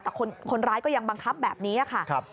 แต่คนร้ายก็ยังบังคับแบบนี้ค่ะ